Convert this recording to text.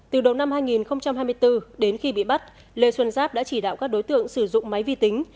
từ đầu năm hai nghìn hai mươi bốn đến khi bị bắt lê xuân giáp đã chỉ đạo các đối tượng sử dụng máy vi tính